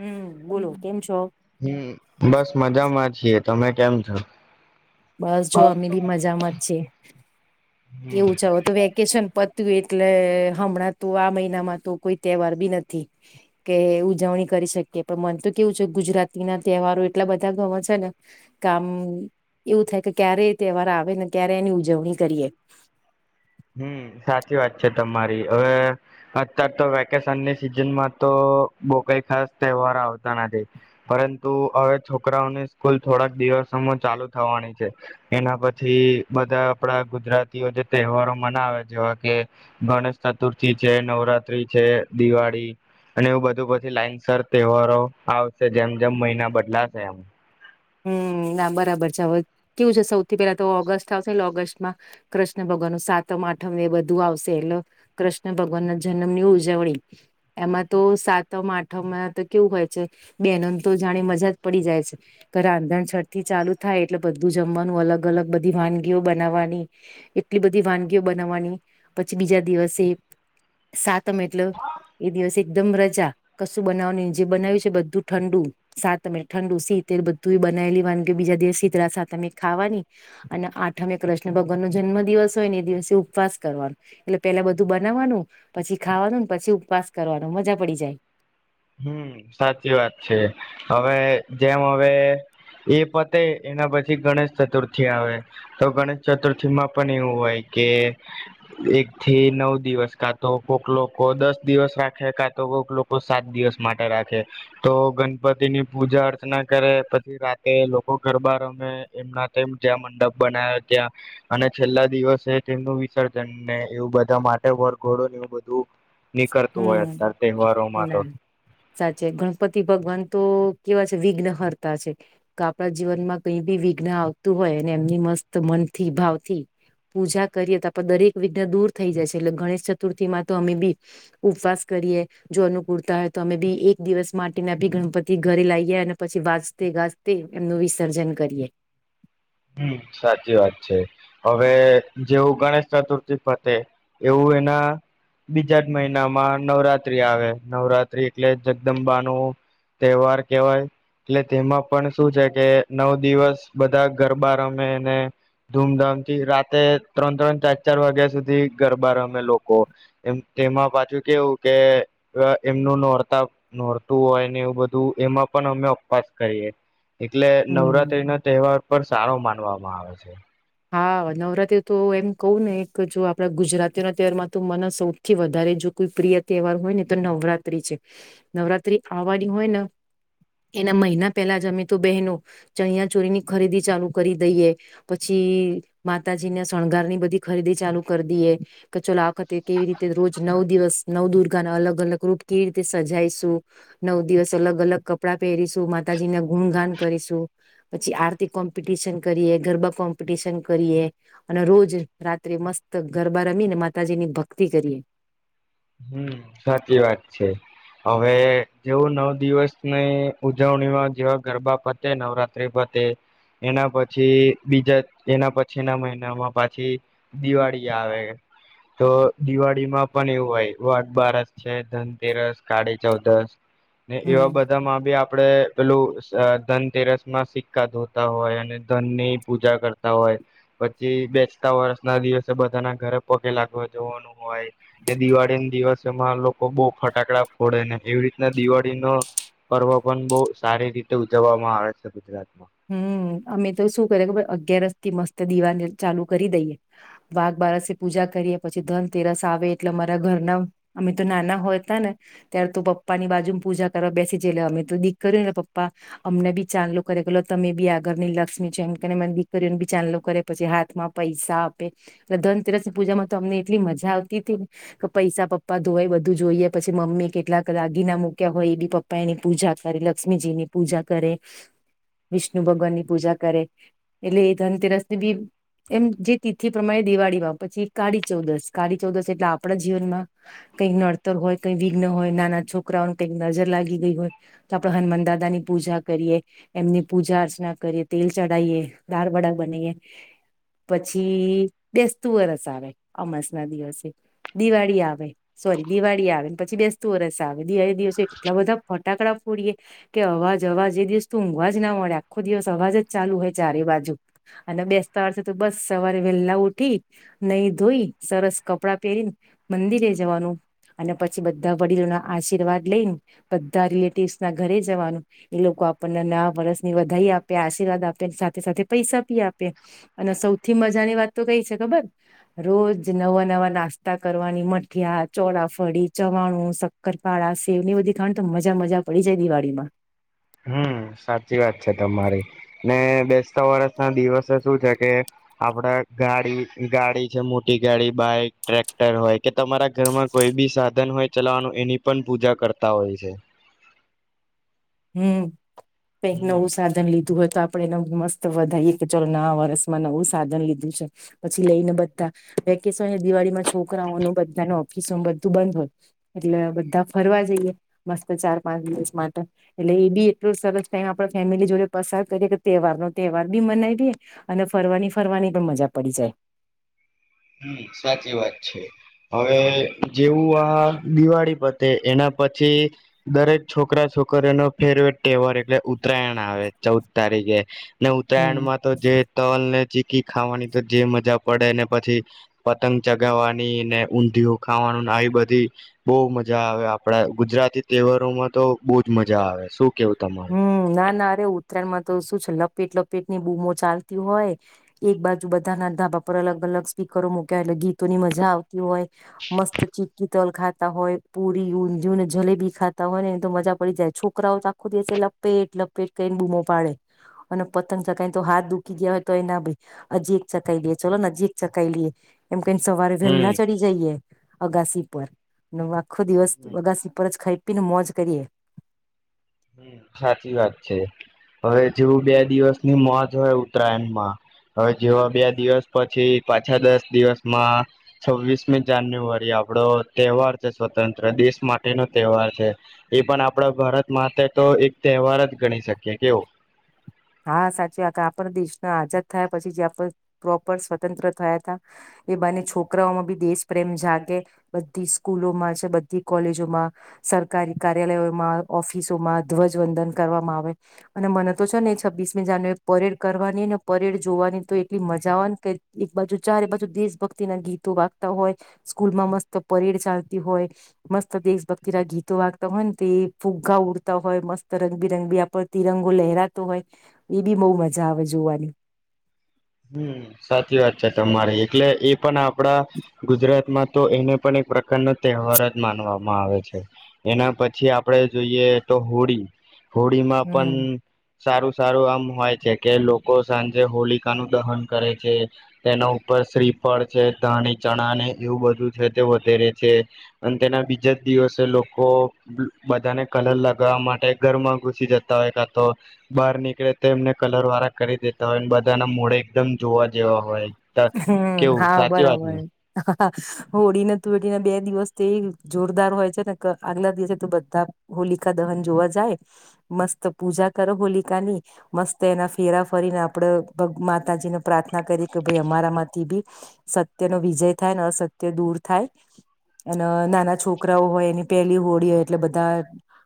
હમ બોલો કેમ છો હમ્મ બસ મજામાં છીએ. તમે કેમ છો? બસ જો અમે બી મજામાં જ છીએ. કેવું છે, હવે તો વેકેશન પત ત્યું એટલે હમણાં તો આ મહિનામાં તો કોઈ તહેવાર બી નથી, કે ઉજવણી કરી શકીએ. પણ મન તો કેવું છે ગુજરાતી ના તહેવારો એટલા બધા ગમે છે ને કે આમ એવું થાય કે ક્યારે એ તહેવાર આવે ને ક્યારે એની ઉજવણી કરીએ. હમ્મ સાચી વાત છે તમારી. હવે અતાર તો વેકેશનની સિઝનમાં તો બહું કઈ ખાસ તહેવાર આવતા નથી. પરંતુ હવે છોકરાઓની સ્કૂલ થોડાક દિવસોમાં ચાલુ થવાની છે, એના પછી બધા આપડા ગુજરાતીઓ જે તહેવાર મનાવે જેવા કે ગણેશ ચતુર્થી છે, નવરાત્રી છે, દિવાળી, અને એવું બધું પછી લાઈનસર તહેવારો આવશે. જેમ-જેમ મહિના બદલાશે એમ. હમ્મ ના બરાબર છે. હવે કેવું છે સૌથી પેલા તો ઓગસ્ટ આવશે એટલે ઓગસ્ટમાં કૃષ્ણ ભગવાન નો સાતમ આઠમને એ બધું આવશે, એટલે કૃષ્ણ ભગવાન ના જનમની ઉજવણી. એમાં તો સાતમ આઠમમાં તો કેવું હોય છે બેનોને તો જાણે મજા જ પડી જાય છે. રાંધણછટ થી ચાલુ થાય એટલે બધું જમવાનું અલગ-અલગ બધી વાનગીઓ બનાવવાની, એટલી બધી વાનગીઓ બનાવવાની, પછી બીજા દિવસે સાતમ એટલે એ દિવસે એકદમ રજા. કશું બનાવવાનું જે બનાવ્યું છે બધું ઠંડુ સાતમ એટલે ઠંડુ સીતેલ બધ ધુંય બનાઈ લેવાનું કે બીજા દિવસ શીતળા સાતમે ખાવાની અને આઠમે કૃષ્ણ ભગવાન નો જન્મ દિવસ હોય ને એ દિવસે ઉપવાસ કરવાનું, એટલે પેલા બધું બનાવવાનું પછી ખાવાન ને પછી ઉપવાસ કરવાનું મજા પડી જાય. હમ્મ, સાચી વાત છે. હવે જેમ હવે ઈ પતે એના પછી ગણેશ ચતુર્થી આવે. તો ગણેશ ચતુર્થીમાં પણ એવું હોય કે એક થી નવ દિવસ, કા તો કોક લોકો દસ દિવસ રાખે, કા તો કોક લોકો સાત દિવસ માટે રાખે. તો ગણપતિ ની પૂજા અર્ચના કરે, પછી રાતે લોકો ગરબા રમે એમના તેમ જ્યાં મંડપ બના્યા ત્યાં, અને છેલ્લા દિવસે તેમનું વિસર્જન ને એવું બધા માટે વર ઘોડો ને એવું બધું નીકળતું હોય હમ અત્યાર તહેવારોમાં તો. ના સાચે. ગણપતિ ભગવાન તો કેવા છે વિઘ્ન હરતા છે, કે આપણા જીવનમાં કઈ બી વિઘ્ન આવતું હોય અને એમની મસ્ત મનથી ભાવથી પૂજા કરીએ તો આપડે દરેક વિઘ્ન દૂર થઈ જાય છે, એટલે ગણેશ ચતુર્થી માં તો અમે બી ઉપવાસ કરીએ, જો અનુકૂળતા હોય તો અમે બી એક દિવસ માટે મે બી ગણપતિ ઘરે લાઈએ અને પછી વાજતે ગાજતે એમનું વિસર્જન કરીએ. હમ્મ, સાચી વાત છે. હવે જેવું ગણેશ ચતુર્થી પતે, એવું એના બીજા જ મહિનામાં નવરાત્રી આવે. નવરાત્રી એટલે જગદંબા નો તહેવાર કેહેવાય. એટલે તેમાં પણ શું છે કે નવ દિવસ બધા ગરબા રમે એને ધૂમધામથી રાતે ત્રણ-ત્રણ, ચાર-ચાર વાગ્યા સુધી ગરબા રમે લોકો, એમ તેમાં પાછું કેવું કે એમનું નોરતા નોરતું હોય ને એવું બધું એમાં પણ અમે ઉપવાસ કરીએ. એટલે હમ. નવરાત્રી ન તહેવાર પણ સારો માનવામાં આવે છે. હા નવરાત્રી તો એમ કવું ને એક જો આપડા ગુજરાતીઓ ના તહેવારમાં તો મને સૌથી વધારે જો કોઈ પ્રિય તહેવાર હોય ને તો નવરાતિ છે નવરાત્રી આવવાની હોય ને એના મહિના પહેલા જ અમે તો બહેનો ચણિયા ચોરીની ખરીદી ચાલુ કરી દઈએ પછ પછ માતાજીને શણગાર ની બધી ખરીદી ચાલુ કરી દઈએ કે ચલો આ વખતે કેવી રીતે રોજ નવ દિવસ નવ દુર્ગાના અલગ અલગ રૂપ કેવી રીતે સજાઈશું નવ દિવસ અલગ અલગ કપડા પહેરીશું માતાજી ના ગુણગાન કરીશું પછી આરતી કોમ્પિટિશન કરીએ ગરબા કોમ પિશન કરીએ અને રોજ રાત્રે મસ્ત ગરબા રમીને માતાજીની ભક્તિ કરીએ હમ. સાચી વાત છે. હવે જેવું નવ દિવસની ઉજવણીમાં જેવા ગરબા પતે નવરાત્ર્રી ફતે એના પછી બીજા એના પછી ના મહિનામાં પછી દિવાળી આવે તો દિવાળીમાં પણ એવું હોય વોર્ડ બારસ છે ધનતેરસ કાળી ચૌદશ ને એવા હમ બધા માં બી આપ આપડે પેલું ધનતેરસ માં સિક્કા ધોતા હોય અને ધનની પૂજા કરતા હોય પછી બેચતા વર્ષ ના દિવસે બધાના ઘરે પગે લાગવા જોવાનું હોય એ દિવાળી દિવસોમાં લોકો બહુ ફટાકડા ફોડે ને એવી રીતના દિવાળી નો પર્વ પણ બહ સારી રીતે ઉજવવામાં આવે છે ગુજરાતમાં હમ અમે તો શું કરીએ કે અગિયારસ થી મસ્ત દીવા ચાલુ કરી દઈએ વાઘ બારસે પૂજા કરીએ પછી ધનતેરસ આવે એટલે અમારા ઘરના અમે તો નાના હોય ત ને ત્યારે તો પપ્પાની બાજુ પૂજા કરવા બેસી જતાલ અમે તો દીકરીને પપ્પા અમને બી ચાંગલ કરે તમે બી આગળની લક્ષ્મી છે એમ કેને મને દીકરીઓને બી ચંદલો કરે પછી હાથમાં પૈસા આપે એટલે ધનતેરસની પૂજામાં તો અમને એટલી મજા આવતી હતી કે પૈસા પપ્પા ધોવાય બધું જોઈએ પછી મમ્મી કેટલાક દાગીના મૂક્યા હોય એ બી પપ્પા એની પૂજા કરે લક્ષ્મીજીની પૂજા કરે વિષ્ણુ ભગવાનની પૂજા કરે એટલે એ ધનતેરસ ની બી એમ જે તિથિ પ્રમાણે દિવાળીમાં પછી કાળી ચૌદશ કાળી ચૌદશ એટલે આપડા જીવનમાં કંઈક નડતર હોય કઈક વિઘ્ન હોય નાના છોકરાઓને કઈક નજર લાગી ગઈ હોય તો આપડ હનુમાન દાદા ની પૂજા કરીએ એમની પૂજા અર્ચના કરીએ તેલ ચઢાવએ દાળ વડા બનાએ પછી બેસતું વરસ આવે અમાસ ના દિવસે દિવાળી આવે સોરી દિવાળી આવેને પછી બેસતું વરસ આવે દિવાળી દિવસે એટલા બધા ફટાકડા ફોડીએ કે અવાજ અવાજ એ દિવસ ત ઊંઘવા જ આખો દિવસ અવાજ જ ચાલુ હોય ચારે બાજુ અને બેસતા વર્ તો બસ સવારે વેહેલા ઉઠી નહીં ધોઈ સરસ કપડા પહેરીને મંદિરે જવાનું અને પછી બધા વડીલો ના આશીર્વાદ લઈને બધા રિલેટિવસ ના ઘરે જવાનું એ લોકો આપણને ના વરસની વધાઈ આપે આશીર્વાદ આપે સાથે સાથે પૈસા ભી આપે અને સૌથી મજાની વાત તો કઈ છે ખબર રોજ નવા નવા નાસ્તા કરવાની મઠીયા ચોડાફળી ચવાણું શક્કરપાળા સેવની બધી ખાવાની તો મજા મજા પડી જાય દિવાળીમાં હમ સાચી વાત છે તમારી ને બેસતા વરષ ના દિવસે શું છે કે આપડા ગાડી ગાડી છે મોટી ગાડી બાઈક ટ્રેક્ટર હોય કે તમારા ઘરમાં કોઈ બી સાધન હોય ચલાવાનું એની પણ પૂજા કરતા હોય છે. હમ કઇક હમ નવું સાધન લીધું ધું હોય તો આપડે એને મસ્ત વધીએ કે ચાલો ના વર્ષમાં નવું સાધન લીધું છે પછી લઈને બધા વેકેશન દિવાળીમાં છોકરાઓનું બધા ઓફિસ બધું બંધ હોય એટલે બધા ફરવા જઈએ મસ્ત ચાર પાંચ દિવસ માટે એટલે એ બી એટલો સરસ ટાઈમ આપ ફેમિલી જોડે પસાર કરીએ કે તહેવાર નો તહેવાર બી મનાવીએ અને ફરવાની ફરવાની પણ મજા પડી જાય. હમ સાચી વાત છે હવે જેવું આ દિવાળી પતે એના પછી દરેક છોકરા છોકરીઓનો ફેવરેટ તહેવાર એટલે ઉત્તરાયણ આવે ચૌદ તારીખે હમ ઉત્તરાયણમાં તો જે તલ ને ચિ કી ખાવાની તો જે મજા પડે એને પછી પતંગ ચગાવવાની ને ઊંધિયું ખાવાનું આવી બધી બહુ મજા આવે આપડા ગુજરાતી તહેવારો માં તો બહુજ મજા આવે શું કેવું તમારું હમ ના ના અરે ઉત્તરાયણમાં તો શું છે લપેટ લપેટ ની બૂમો ચાલતી હોય એક બાજુ બધાના ધાબા પર અલગ અલગ સ્પીકરો મૂક્યા હોય એટલે ગીતોની મજા આવતી હોય મસ્ત ચીકી તલ ખાતા હોય પુરી ઊંધીને જલેબી ખાતા હોય ને તો મજા પડી જાય છોકરાઓ તો ખુદ દ લપેટ લપેટ કને ડૂમો પાડે અને પતંગ ચખઈને તો હાથ દુખી ગયા હોય તો એ ના ભાઈ અજીક ચકાઈ લઈએ ચલો ને નજીક ચકાઈ લઈએ એમ કને સવારે વહેહલા હમ ચડી જઈએ અગાસી પર નવ આખો દિવસ હમ બગાસી પર જ ખાઈ મોજ કરીએ હમ સાચી વાત છે હવે જેવું બે દિવસની મોજ હોય ઉત્તરાયણમાં હવે જેવા બે દિવસ પછી પાછા દસ દિવસમાં છવ્વીસમી જાન્યુઆરી આપડો તહેવાર છે સ્વતંત્ર દેશ માટેનોો તહેવાર છે એ પણ આપડા ભારત માટે તો એક તહેવાર જ ગણી શકીએ કેવો હા સાચી વા આપણા દેશના આઝાદ થયા પછી જે આપ પ્રોપર સ્વતંત્ર થયા હતા એ બને છોકરાઓમાં બી દેશ પ્રેમ જાગે બધી સ્કૂલોમાં છે બધી કોલેજોમાં સરકારી કાર્યાલયોમાં ઓફિસોમાં ધ્વજવંદન કરવામાં આવે અને મને તો છે ને છવ્વીસમી જાન્યુઆરી પરેડ કરવાની ને પરેડ જોવાની તો એટલી મજા આવેવા ને કઈ એક બાજુ ચારે બાજુ દેશભક્તિના ગીતો વાગતા હોય સ્કૂલમાં મસ્ત પરેડ ચાલતી હોય મસ્ત દેશભક્તિ ના ગીતો વાગતા હોય ને તે ફુગ્ગા ઉડતા હોય મસ્ત રંગબિરંગ બી આપડ તિરંગો લહેરાતો હોય એ બી બહુ મજા આવે જોવાની હમ સાચી વાત છે તમારી એટલે એ પણ આપડા ગુજરાતમાં તો એને પણ એક પ્રકારનો તહેવાર જ માનવામાં આવે છે એના પછી આપડે જોઈએ તો હોળી હોળીમાં પણ હમ સારું સારું આમ હોય છે કે લોકો સાંજે હોલી નું દહન કરે છે, તેના ઉપર સ્ફળ છે ધાણી ચણા ને એવું બધું છે તે વધેરે છે, અને તેના બીજા જ દિવસે લોકો બધાને કલર લગાવવા માટે ઘરમાં ઘુસી જતા હોય કા તો, બહાર નીકળે તો એમને કલર વાળા કરી દેતા હોય. ના મોડે એકદમ જોવા જેવા હોય. હમ કેવું હા સાચી વાત ને બરાબર. આ હા હોળી ને ધુલેટીને બે દિવસ તો એ જોરદાર હોય છે ને આગલા દિવસે તો બધા હોલિકા દહન જોવા જાય, મસ્ત પૂજા કરો હોલિકા ની, મસ્ત એના ફેરા ફરીને આપડે માતાજીને પ્રાર્થ ના કરી થી બી, સત્ય નો વિજય થાય ને અસત્ય દૂર થાય, અને નાના છોકરાઓ હોય એની પહેલી હોડી હોય એટલે બધા,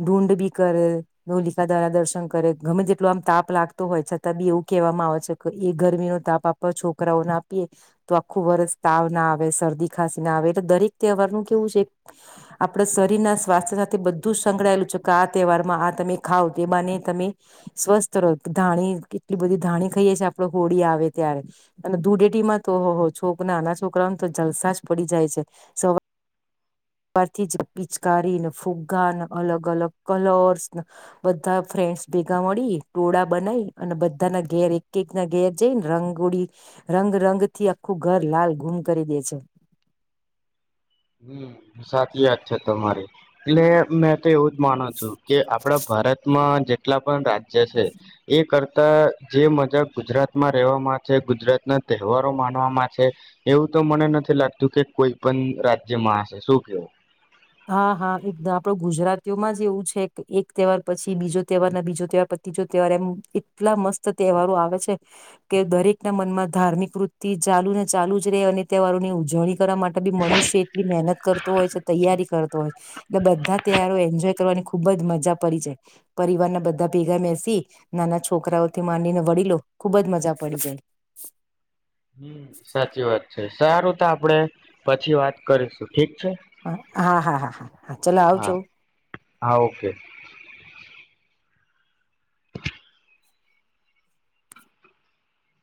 ઢુંડ બી કરે નોલિકા દ્વારા દર્શન કરે ગમે જેટલો આમ તાપ લાગતો હોય છતાં બી એવું કહેવામાં આવે છે કે એ ગરમી નો તાપ આપ છોકરા છોકરાઓ ના આપીએ, તો આખું વરષ તાવ ના આવે શરદી ખાંસી ના આવે એટલે દરેક તહેવાર નું કેવું છે, આપડ શરીરના સ્વાસ્થ્ય સાથે બધું સંકળાયેલું છે કે આ તહેવારમાં આ તમે ખાવ તે બાને તમે, સ્વસ્થ રહો ધાણી કેટલી બધી ધાણી ખાઈએ છી આપ હોળી આવે ત્યારે. અને દૂડેટીમાં તોહ છોક નાના છોકરાને તો જલસા જ પડી જાય છે, સવાર ઉપરથી જ પિચકારીને ફુગ્ગાને અલગ અલગ કલર્સ, બધા ફ્રેન્ડ્સ ભેગા મળી ટોળા બનાઈ અને બધાના ઘેર એક એક ના ઘેર જઈને રંગોળી, રંગ રંગથી આખું ઘર લાલ ગુમ કરી દે છે. હમ સાચી વાત છે તમારી, એટલે મે એવું જ માનો છું કે આપડા ભારતમાં જેટલા પણ રાજ્ય છે, એ કરતા જે મજા ગુજરાતમાં રહેવામાં છે ગુજરાતના તહેવારો માનવામાં છે, એવું તો મને નથી લાગતું કે કોઈ પણ રાજ જેમાંશે શું કેવું? હા હા એકદમ આપડો ગુજરાતીઓમાં જ એવું છે એક તહેવાર પછી બીજો તહેવાર ના બીજો તહેવાર ત્રીજો તહેવાર એમ એટલા મસ્ત તહેવારો આવે છે, કે દરેક ના મનમાં ધાર્મિક વૃત્તિ ચાલુ ને ચાલુ જ રે અને તહેવારોની ઉજવણી કરવા માટે બી મનુષ્ય એટલી મહેનત કરતું હોય છે તૈયારી કરતો હોય, એટલે બધા તયાર એન્જોય કરવાની ખૂબ જ મજા પડી જાય, પરિવારના બધા ભેગા, મેસી નાના છોકરાઓથી માંનીને વળલો ખૂબજ મજા પડી જાય. સાચી વાત છે. સારું તો આપડણે પછી વાત કરીશું. ઠીક છે હા હા હા. હા ચાલ આવજો. હા હા ઓકે.